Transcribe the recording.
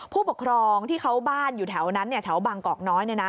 ผู้ปกครองที่เขาบ้านอยู่แถวนั้นแถวบางกอกน้อย